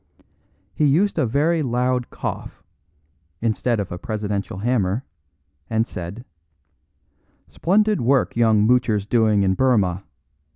He used a very loud cough, instead of a presidential hammer, and said: "Splendid work young Moocher's doing in Burmah.